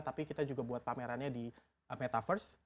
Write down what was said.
tapi kita juga buat pamerannya di metaverse